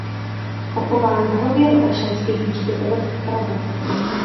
Pochován v hrobě na Olšanských hřbitovech v Praze.